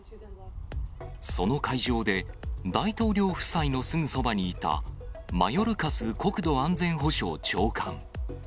その会場で、大統領夫妻のすぐそばにいたマヨルカス国土安全保障長官。